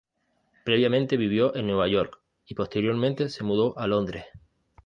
Previamente vivió en Nueva York, y posteriormente se mudó a Londres.